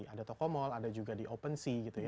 ada tokomall ada juga di opensea gitu ya